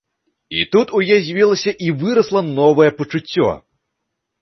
І тут у яе з'явілася і вырасла новае пачуццё.